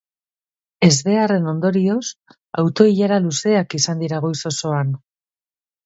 Ezbeharraren ondorioz auto-ilara luzeak izan dira goiz osoan.